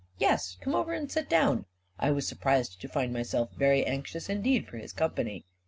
11 Yes; come over and sit down." I was surprised to find myself very anxious indeed for his company